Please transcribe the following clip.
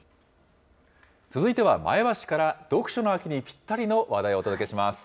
続いては前橋から読書の秋にぴったりの話題をお届けします。